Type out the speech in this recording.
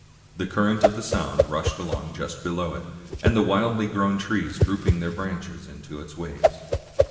The current of the Sound rushed along just below it, with wildly grown trees drooping their branches into its waves.